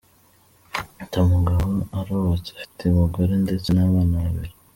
Dr Mugabo arubatse, afite umugore ndetse n’abana babiri.